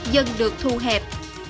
dần được thu hẹp